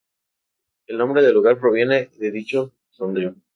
El nombre del lugar proviene de dicho sondeo.